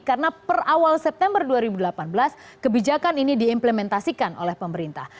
karena per awal september dua ribu delapan belas kebijakan ini diimplementasikan oleh pemerintah